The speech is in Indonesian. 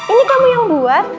ini kamu yang buat